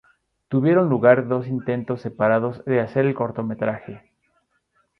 Tuvieron lugar dos intentos separados de hacer el cortometraje.